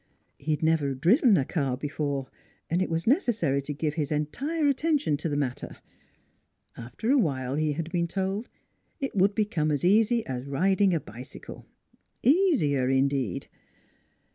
He had never driven a car before, and it was neces sary to give his entire attention to the matter. After a while, he had been told, it would become as easy as riding a bicycle easier, indeed.